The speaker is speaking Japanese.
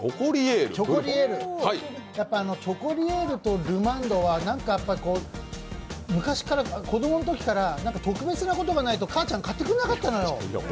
チョコリエールとルマンドは何か子供の頃から特別なことがないと、かあちゃん買ってくれなかったのよ。